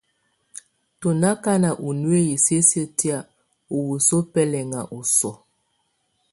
Tú ndù akana ù nuiyi sisiǝ́ tɛ̀á ù wǝsuǝ́ bɛlaŋa ù ɔsɔa.